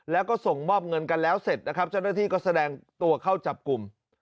แล้วก็ส่งมอบเงินกันแล้วเสร็จนะครับเจ้าหน้าที่ก็แสดงตัวเข้าจับกลุ่ม